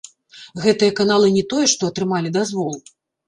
Гэтыя каналы не тое, што атрымалі дазвол.